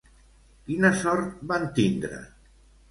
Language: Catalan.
Quina sort van tindre?